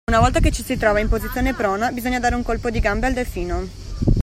Una volta che ci si trova in posizione prona bisogna dare un colpo di gambe a delfino